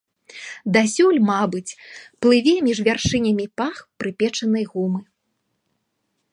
Дасюль, мабыць, плыве між вяршынямі пах прыпечанай гумы.